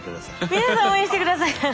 「皆さん応援して下さい」。